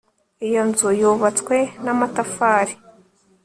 iyo nzu yubatswe n'amatafari